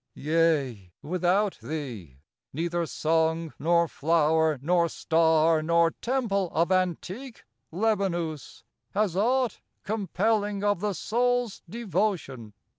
Yea, without thee, neither song nor flower 46 Nor star nor temple of antique Lebanus, Has aught compelling of the Soul's devotion.